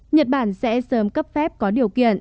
nhật bản sẽ sớm cấp phép có điều kiện